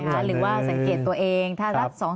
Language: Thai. หรือว่าสังเกตตัวเอง